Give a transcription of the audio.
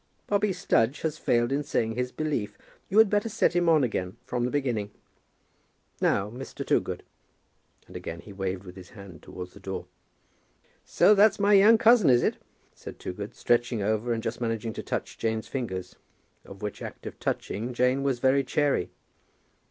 Bobby Studge has failed in saying his Belief. You had better set him on again from the beginning. Now, Mr. Toogood." And again he waved with his hand towards the door. "So that's my young cousin, is it?" said Toogood, stretching over and just managing to touch Jane's fingers, of which act of touching Jane was very chary.